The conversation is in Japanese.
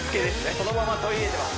そのまま取り入れてます